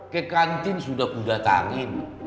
ke kantin sudah kudatangin